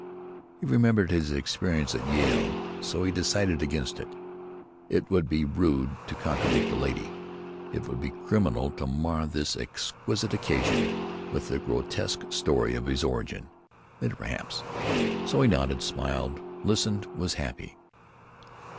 He remembered his experience at Yale, so he decided against it. It would be rude to contradict a lady; it would be criminal to mar this exquisite occasion with the grotesque story of his origin. Later, perhaps. So he nodded, smiled, listened, was happy.